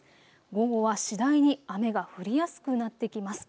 午後は次第に雨が降りやすくなってきます。